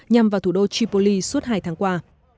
nhằm vào thủ đô tripoli suốt hai tháng qua